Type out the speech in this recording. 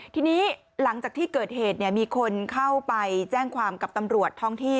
ทีนี้หลังจากที่เกิดเหตุมีคนเข้าไปแจ้งความกับตำรวจท้องที่